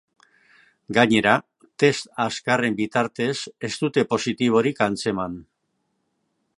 Gainera, test azkarren bitartez ez dute positiborik atzeman.